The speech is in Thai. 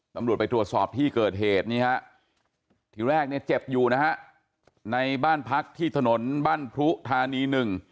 ตำรวจไปตรวจสอบที่เกิดเหตุนี่ฮะทีแรกเนี่ยเจ็บอยู่นะฮะในบ้านพักที่ถนนบ้านพรุธานี๑